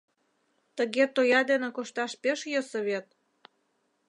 Тыге тоя дене кошташ пеш йӧсӧ вет?